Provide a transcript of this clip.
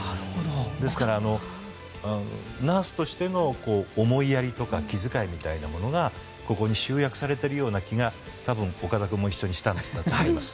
ですから、ナースとしての思いやりとか気遣いみたいなものがここに集約されているような気が多分岡田君も一緒にしたんだと思います。